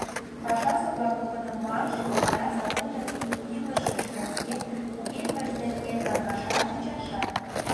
Пашазе-влак погынымаш еда заводын илышыж нерген, кугеммыж нерген каҥашат, ӱчашат.